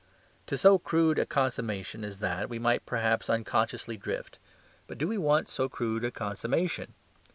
To so crude a consummation as that we might perhaps unconsciously drift. But do we want so crude a consummation?